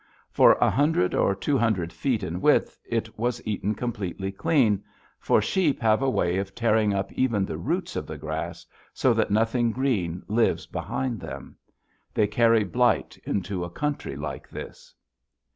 For a hundred or two hundred feet in width, it was eaten completely clean, for sheep have a way of tearing up even the roots of the grass so that nothing green lives behind them. They carry blight into a country like this.